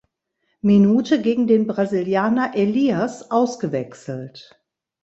Minute gegen den Brasilianer Elias ausgewechselt.